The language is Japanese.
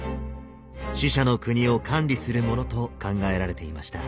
死者の国を管理するものと考えられていました。